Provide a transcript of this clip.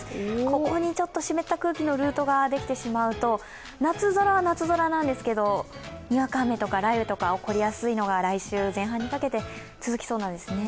ここに湿った空気のルートができてしまうと夏空は夏空なんですけどにわか雨とか雷雨が起こりやすいので来週前半にかけて続きそうなんですね。